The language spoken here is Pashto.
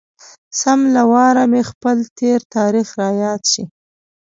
سم له واره مې خپل تېر تاريخ را یاد شي.